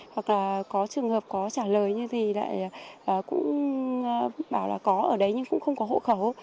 hoặc là có trường hợp có trả lời như thì lại cũng bảo là có ở đấy nhưng cũng không có hộ khẩu